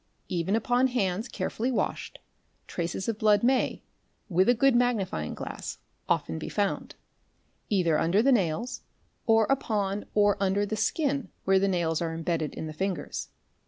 _ Even upon hands carefully washed, traces of blood may, with a good magnifying glass, often be found, either under the nails, or upon or under _ the skin where the nails are imbedded in the fingers.